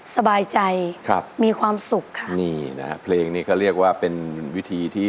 สบายใจครับมีความสุขค่ะนี่นะฮะเพลงนี้ก็เรียกว่าเป็นวิธีที่